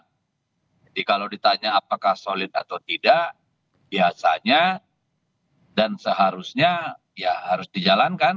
jadi kalau ditanya apakah solid atau tidak biasanya dan seharusnya ya harus dijalankan